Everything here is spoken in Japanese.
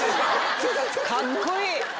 カッコいい！